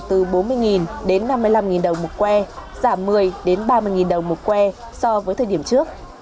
từ bốn mươi đến năm mươi năm đồng một que giảm một mươi ba mươi đồng một que so với thời điểm trước